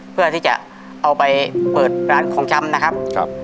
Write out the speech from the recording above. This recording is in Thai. เพื่อที่จะเอาไปเปิดร้านของชำนะครับ